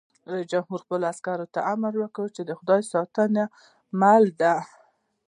رئیس جمهور خپلو عسکرو ته امر وکړ؛ خدای ستاسو مل دی!